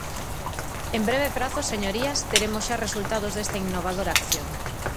En breve prazo, señorías, teremos xa resultados desta innovadora acción.